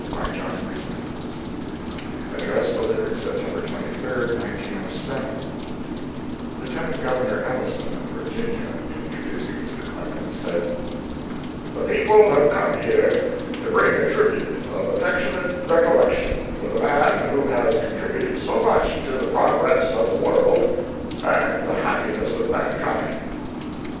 FULTON DAY, JAMESTOWN ADDRESS DELIVERED SEPTEMBER 23, 1907 Lieutenant Governor Ellyson, of Virginia, in introducing Mr. Clemens, said: "The people have come here to bring a tribute of affectionate recollection for the man who has contributed so much to the progress of the world and the happiness of mankind."